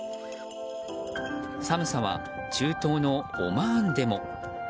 寒さは、中東のオマーンでも。